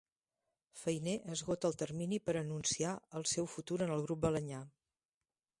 Fainé esgota el termini per anunciar el seu futur en el Grup Balaña.